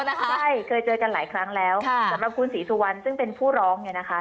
ใช่เคยเจอกันหลายครั้งแล้วสำหรับคุณศรีสุวรรณซึ่งเป็นผู้ร้องเนี่ยนะคะ